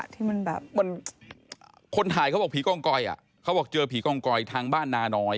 ที่มันแบบเหมือนคนถ่ายเขาบอกผีกองกอยเขาบอกเจอผีกองกอยทางบ้านนาน้อย